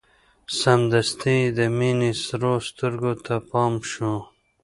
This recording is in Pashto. سمدستي يې د مينې سرو سترګو ته پام شو.